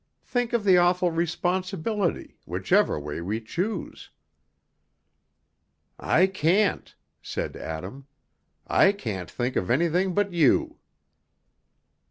Think of the awful responsibility, whichever way we choose." "I can't," said Adam. "I can't think of anything but you."